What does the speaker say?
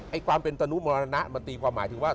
ความเป็นตนุมรณะมันตีความหมายถึงว่า